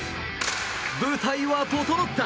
舞台は整った！